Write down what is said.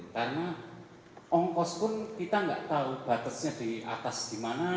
karena ongkos pun kita enggak tahu batasnya di atas gimana